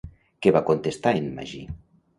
Què va contestar en Magí?